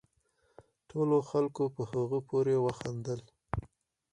ټولو خلقو په هغه پورې وخاندل